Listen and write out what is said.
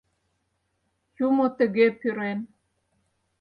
Юмо тыге пӱрен.